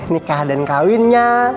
nikah dan kawinnya